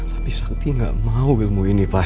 tapi sakti enggak mau ilmu ini pak